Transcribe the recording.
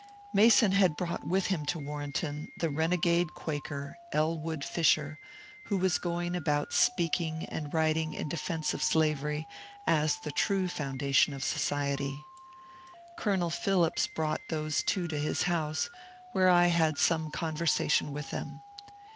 Mason had brought with him to Warrenton the ^^ renegade Quaker," EUwood Fisher, who was going about speaking and writing in defence of slavery as the true foundation of society. Colonel Phillips brought those two to his house, where I had some conversation with them.